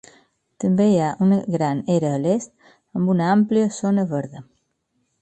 També hi ha una gran era a l'est amb una àmplia zona verda.